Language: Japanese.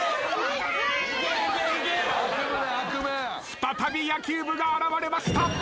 再び野球部が現れました。